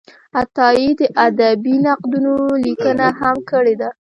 عطایي د ادبي نقدونو لیکنه هم کړې ده.